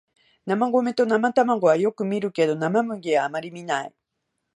生米と生卵はよく見るけど生麦はあまり見ない